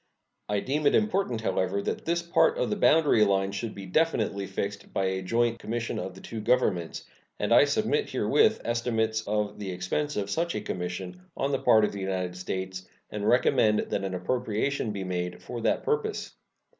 I deem it important, however, that this part of the boundary line should be definitely fixed by a joint commission of the two Governments, and I submit herewith estimates of the expense of such a commission on the part of the United States and recommend that an appropriation be made for that purpose.